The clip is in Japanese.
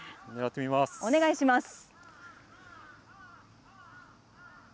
お願いします。